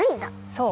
そう。